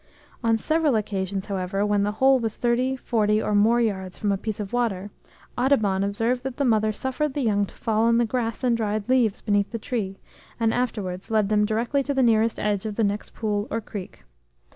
On several occasions, however, when the hole was 30, 40, or more yards from a piece of water, Audubon observed that the mother suffered the young to fall on the grass and dried leaves beneath the tree, and afterwards led them directly to the nearest edge of the next pool or creek.